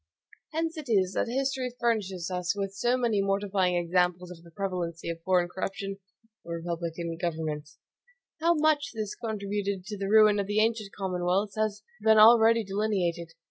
Hence it is that history furnishes us with so many mortifying examples of the prevalency of foreign corruption in republican governments. How much this contributed to the ruin of the ancient commonwealths has been already delineated.